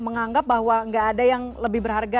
menganggap bahwa nggak ada yang lebih berharga